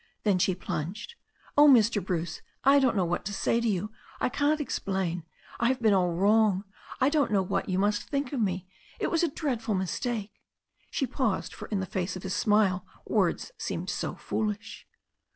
Then she pltmged. "Oh, Mr. Bruce, I don't know what to say to you, I can't explain, I have been all wrong, I don't know what you must think of me — it was a dreadful mistake." She paused, for in the face of his smile words seemed so foolish.